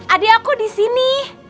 adi aku disini